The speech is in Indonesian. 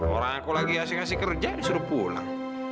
orang aku lagi asing asing kerja disuruh pulang